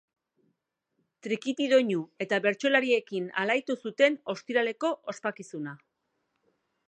Trikiti doinu eta bertsolariekin alaitu zuten ostiraleko ospakizuna.